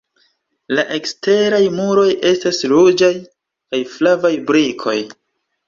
La eksteraj muroj estas ruĝaj kaj flavaj brikoj.